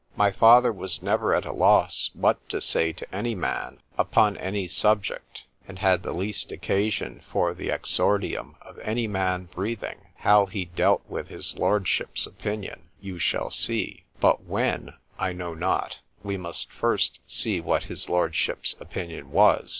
——My father was never at a loss what to say to any man, upon any subject; and had the least occasion for the exordium of any man breathing: how he dealt with his lordship's opinion,——you shall see;——but when—I know not:——we must first see what his lordship's opinion was.